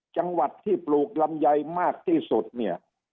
จังหวัดที่ปลูกลำไยมากที่สุดเนี่ย